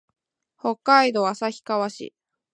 北海道旭川市